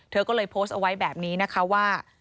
เธอก็เลยโพสต์เอาไว้แบบนี้นะคะว่า